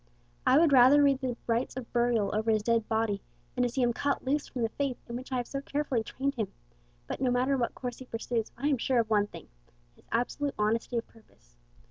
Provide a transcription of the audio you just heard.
I would rather read the rites of burial over his dead body than to see him cut loose from the faith in which I have so carefully trained him; but no matter what course he pursues, I am sure of one thing, his absolute honesty of purpose.